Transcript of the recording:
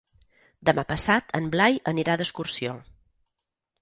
Demà passat en Blai anirà d'excursió.